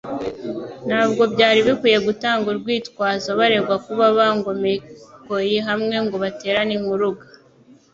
Ntabwo byari bikwiye gutanga urwitwazo baregwa kuba bangomekoye hamwe ngo baterane inkuruga.